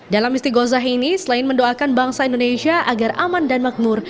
dalam istiqosah ini selain mendoakan bangsa indonesia agar aman dan makmur